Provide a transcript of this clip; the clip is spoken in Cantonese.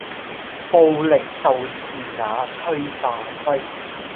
暴力就是那催化劑